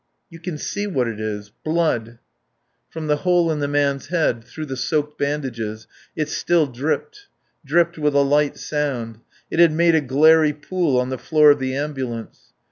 "You can see what it is. Blood." From the hole in the man's head, through the soaked bandages, it still dripped, dripped with a light sound; it had made a glairy pool on the floor of the ambulance.